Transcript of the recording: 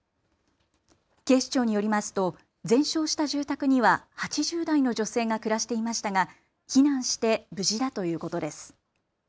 警視庁によりますと全焼した住宅には８０代の女性が暮らしていましたが避難して無事だということです。